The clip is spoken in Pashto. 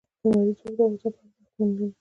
لمریز ځواک د افغانستان په هره برخه کې موندل کېږي.